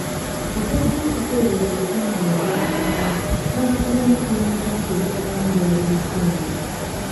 Tekyatubuukako bubuusi bwe twamanya ebyavaamu, twakakibwa n’okulowooza nti ebyavaamu byali bikyamu.